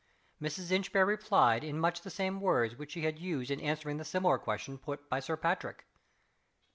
Mrs. Inchbare replied in much the same words which she had used in answering the similar question put by Sir Patrick.